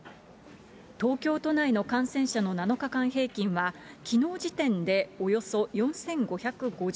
東京都内の感染者の７日間平均は、きのう時点でおよそ４５５５人。